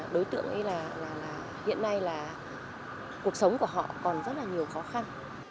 đối tượng ấy là hiện nay là cuộc sống của họ còn rất là nhiều khó khăn